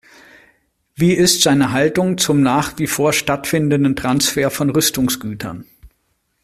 Wie ist seine Haltung zum nach wie vor stattfindenden Transfer von Rüstungsgütern?